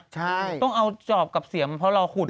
ใช่ต้องเอาจอบกับเสียมเพราะเราขุด